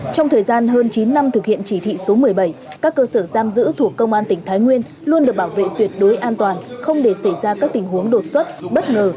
trong thời gian hơn chín năm thực hiện chỉ thị số một mươi bảy các cơ sở giam giữ thuộc công an tỉnh thái nguyên luôn được bảo vệ tuyệt đối an toàn không để xảy ra các tình huống đột xuất bất ngờ